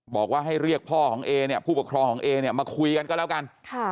บอกว่าให้เรียกพ่อของเอเนี่ยผู้ปกครองของเอเนี่ยมาคุยกันก็แล้วกัน